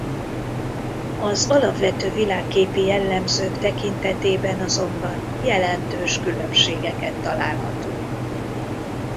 Az alapvető világképi jellemzők tekintetében azonban jelentős különbségeket találhatunk.